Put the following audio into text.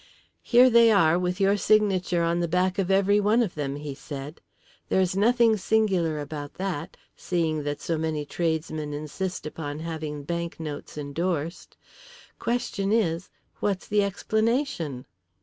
"Here they are, with your signature on the back of every one of them," he said. "There is nothing singular about that, seeing that so many tradesmen insist upon having banknotes endorsed. Question is, What's the explanation?"